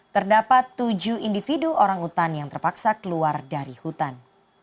terdapat tujuh individu orang utan yang terpaksa keluar dari hutan